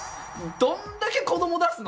どんだけ子ども出すの？